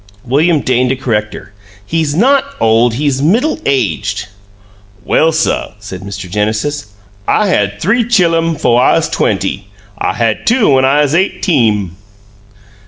William deigned to correct her. "He's not old, he's middle aged." "Well, suh," said Mr. Genesis, "I had three chillum 'fo' I 'uz twenty. I had two when I 'uz eighteem."